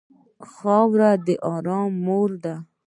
خاوره د ارام مور ده.